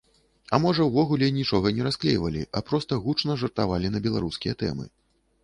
А можа ўвогуле нічога не расклейвалі, а проста гучна жартавалі на беларускія тэмы.